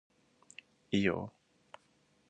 いいよー